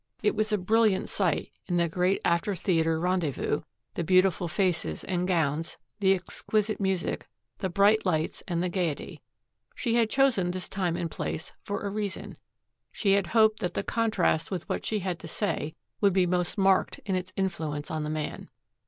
It was a brilliant sight in the great after theater rendezvous, the beautiful faces and gowns, the exquisite music, the bright lights and the gayety. She had chosen this time and place for a reason. She had hoped that the contrast with what she had to say would be most marked in its influence on the man.